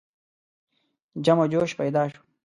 جم و جوش پیدا شو.